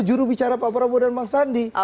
jurubicara pak prabowo dan bang sandi